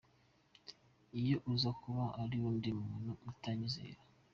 Iyo aza kuba ari undi muntu utanyizera.